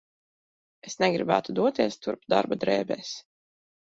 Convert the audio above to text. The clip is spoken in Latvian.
Es negribētu doties turp darba drēbēs.